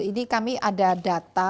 ini kami ada data